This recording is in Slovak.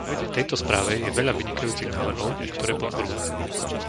V tejto správe je veľa vynikajúcich návrhov, ktoré podporujem.